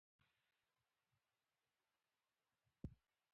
لیکوال د همدې ساتونکو په کتار کې دی.